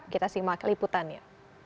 kita simak liputannya